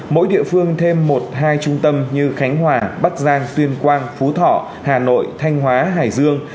mỗi địa phương thêm một hai trung tâm như khánh hòa bắc giang tuyên quang phú thọ hà nội thanh hóa hải dương